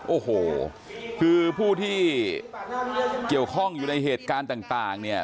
โอ้โหคือผู้ที่เกี่ยวข้องอยู่ในเหตุการณ์ต่างเนี่ย